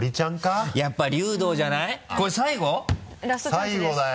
最後だよ。